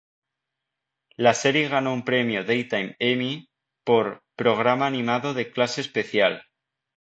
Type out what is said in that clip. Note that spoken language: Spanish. La serie ganó un Premio Daytime Emmy por "Programa animado de clase especial".